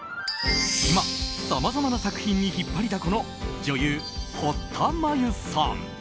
今、さまざまな作品に引っ張りだこの女優・堀田真由さん。